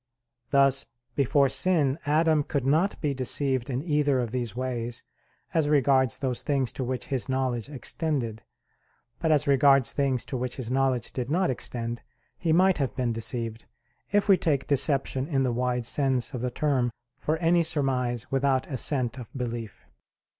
Thus before sin Adam could not be deceived in either of these ways as regards those things to which his knowledge extended; but as regards things to which his knowledge did not extend, he might have been deceived, if we take deception in the wide sense of the term for any surmise without assent of belief.